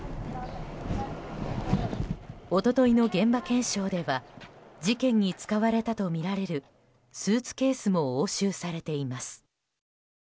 一昨日の現場検証では事件に使われたとみられるスーツケースも押収されています。